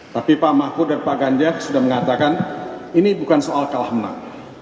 tapi pak mahfud dan pak ganjar sudah mengatakan ini bukan soal kalah menang